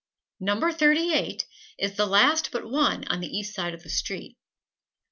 Number Thirty eight is the last but one on the east side of the street.